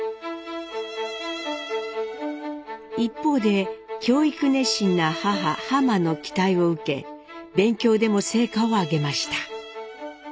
一方で教育熱心な母ハマの期待を受け勉強でも成果を上げました。